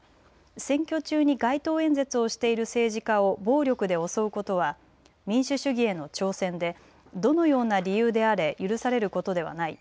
選挙中に街頭演説をしている政治家を暴力で襲うことは民主主義への挑戦でどのような理由であれ許されることではない。